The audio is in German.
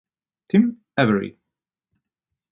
Tim Avery.